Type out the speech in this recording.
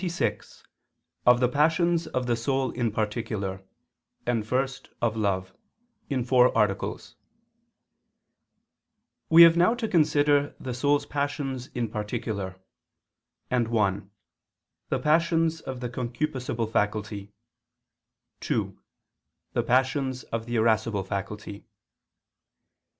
________________________ QUESTION 26 OF THE PASSIONS OF THE SOUL IN PARTICULAR: AND FIRST, OF LOVE (In Four Articles) We have now to consider the soul's passions in particular, and (1) the passions of the concupiscible faculty; (2) the passions of the irascible faculty.